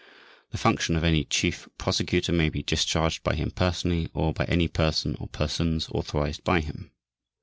The function of any Chief Prosecutor may be discharged by him personally, or by any person or persons authorized by him.